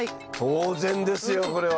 当然ですよこれは。